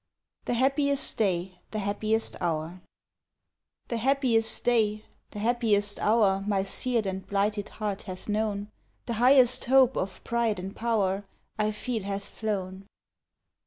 THE HAPPIEST DAY, THE HAPPIEST HOUR The happiest day the happiest hour My sear'd and blighted heart hath known, The highest hope of pride and power, I feel hath flown.